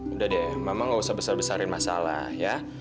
udah deh memang gak usah besar besarin masalah ya